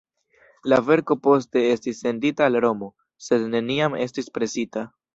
La verko poste estis sendita al Romo, sed neniam estis presita.